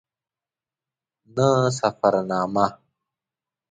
نه سفرنامه.